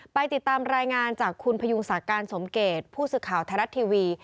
ไปติดตามรายงานจากคุณพยุงศักดิ์การสมเกตผู้สื่อข่าวไทยรัฐทีวี